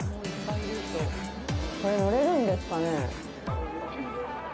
これ、乗れるんですかね？